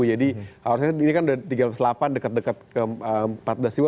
jadi kalau rasanya ini kan tiga puluh delapan dekat dekat ke empat belas ribu